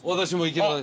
私も。